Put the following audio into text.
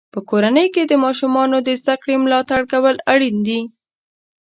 په کورنۍ کې د ماشومانو د زده کړې ملاتړ کول اړین دی.